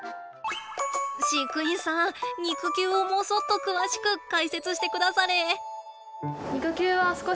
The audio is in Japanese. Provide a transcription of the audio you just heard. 飼育員さん肉球をもそっと詳しく解説してくだされ。